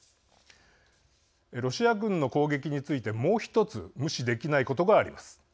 ロシア軍の攻撃についてもう一つ無視できないことがあります。